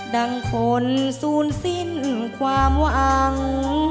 ดังคนศูนย์สิ้นความหวัง